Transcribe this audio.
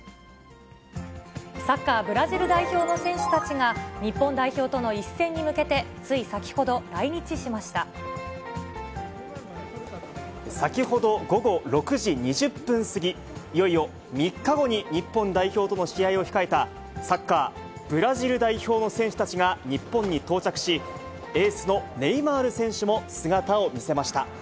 サッカー、ブラジル代表の選手たちが、日本代表との一戦に向けて、先ほど、午後６時２０分過ぎ、いよいよ３日後に日本代表との試合を控えた、サッカーブラジル代表の選手たちが日本に到着し、エースのネイマール選手も姿を見せました。